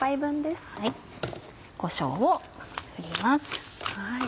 こしょうを振ります。